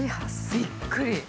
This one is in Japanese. びっくり。